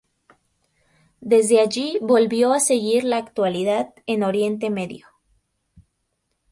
Desde allí volvió a seguir la actualidad en Oriente Medio.